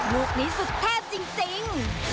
ลูกนี้สุดเทพจริง